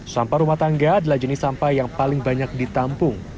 sampah rumah tangga adalah jenis sampah yang paling banyak ditampung